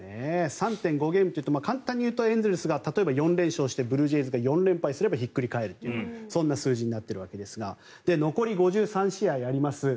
３．５ゲームというと簡単にいうとエンゼルスが４連勝してブルージェイズが４連敗すればひっくり返るそんな数字になっているわけですが残り５３試合あります。